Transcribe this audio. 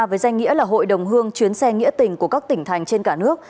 với danh nghĩa là hội đồng hương chuyến xe nghĩa tình của các tỉnh thành trên cả nước